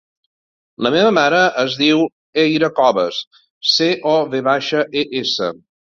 La meva mare es diu Eire Coves: ce, o, ve baixa, e, essa.